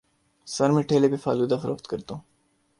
سر میں ٹھیلے پر فالودہ فروخت کرتا ہوں